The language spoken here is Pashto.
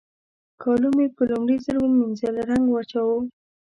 کالو مې په لومړي ځل مينځول رنګ واچاوو.